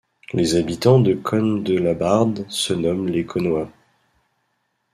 Les habitants de Conne-de-Labarde se nomment les Conois.